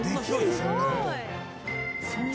そんな事。